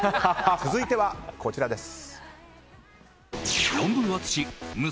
続いてはこちらです。